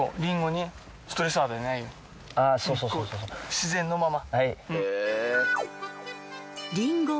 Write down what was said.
自然のまま。